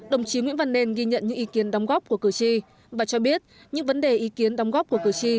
đồng chí nguyễn văn nên ghi nhận những ý kiến đóng góp của cử tri và cho biết những vấn đề ý kiến đóng góp của cử tri